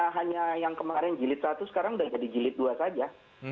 hanya yang kemarin jilid satu sekarang sudah jadi jilid dua saja